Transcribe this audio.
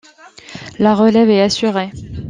La relève est assurée...